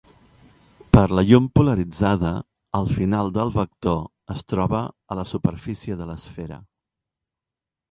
Per la llum polaritzada, el final del vector es troba a la superfície de l'esfera.